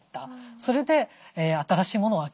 それで新しいものを開けてしまった。